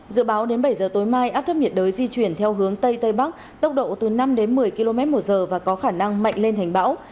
dự báo đến bảy giờ tối mai áp thấp nhiệt đới di chuyển theo hướng tây tây bắc tốc độ từ năm đến một mươi km một giờ và có khả năng mạnh lên thành bão